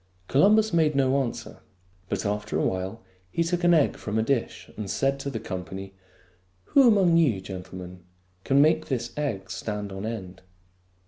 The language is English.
Columbus made no answer ; but after a while he took an egg from a dish and said to the company, " Who among you, gentlemen, can make this egg stand on end